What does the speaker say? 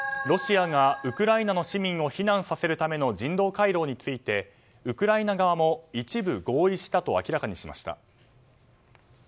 ロシアがウクライナの市民を避難させるための人道回廊についてウクライナ側も一部合意したと明らかにしました。